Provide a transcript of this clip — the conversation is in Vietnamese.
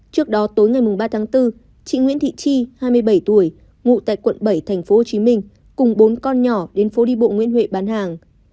trước đó tối ngày ba tháng bốn chị nguyễn thị chi hai mươi bảy tuổi ngụ tại quận bảy tp hcm cùng bốn con nhỏ đến phố đi bộ nguyễn huệ bán hàng